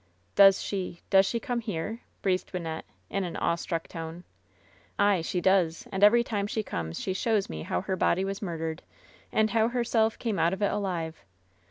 "Does die— does she come here?" breathed Wyn nette, in an awestruck tone. "Ay, she does ; and every time she comes she shows nie how her body was murdered, and how herself came out of it alive.